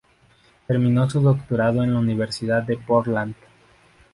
Terminó su doctorado en la Universidad de Portland.